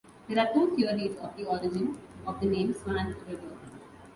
There are two theories of the origin of the name "Swan River".